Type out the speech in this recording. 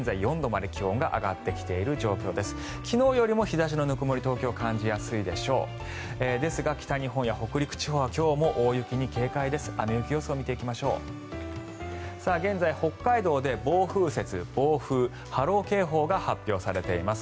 ですが北日本や北陸地方は今日も大雪に警戒が必要です。